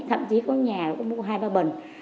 thậm chí có nhà cũng có hai ba bần